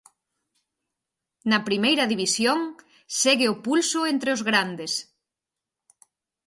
Na Primeira División, segue o pulso entre os grandes.